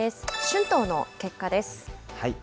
春闘の結果です。